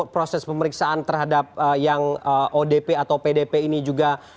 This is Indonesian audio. proses pemeriksaan terhadap yang odp atau pdp ini juga